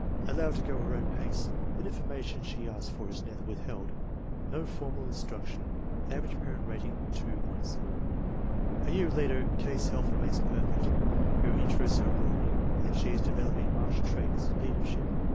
Allowed to go her own pace, but information she asks for is never withheld. No formal instruction. Average parent rating, 2.00. FORTY ONE SUPERIOR CHILDREN 219 A year later K.'s health remains perfect, her inter ests are broadening and she is developing marked traits of leadership.